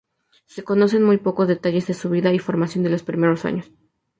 Se conocen muy pocos detalles de su vida y formación de los primeros años.